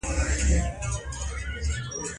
چي څونه به لا ګرځي سرګردانه په کوڅو کي٫